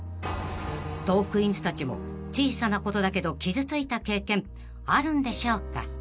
［トークィーンズたちも小さなことだけど傷ついた経験あるんでしょうか］